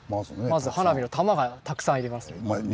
まず花火の玉がたくさん要ります。